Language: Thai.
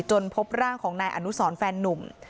พบร่างของนายอนุสรแฟนนุ่ม